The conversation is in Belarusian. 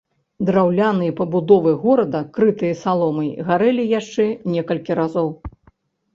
Драўляныя пабудовы горада крытыя саломай гарэлі яшчэ некалькі разоў.